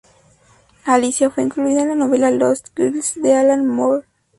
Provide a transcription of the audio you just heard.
Alicia fue incluida en la novela Lost Girls de Alan Moore.